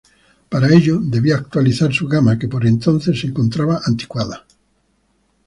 Para ello debía actualizar su gama, que por entonces se encontraba anticuada.